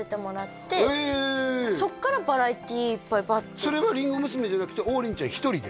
そっからバラエティーいっぱいバッてそれはりんご娘じゃなくて王林ちゃん１人でってこと？